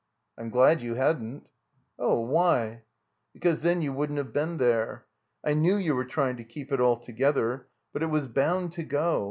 I'm glad you hadn't." Oh, why?" Because then 3rou wouldn't have been there. I knew you were trying to keep it all together. But it was botmd to go.